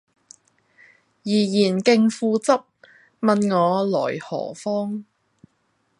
怡然敬父執，問我來何方。